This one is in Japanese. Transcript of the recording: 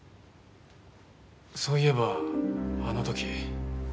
そういえばあの時。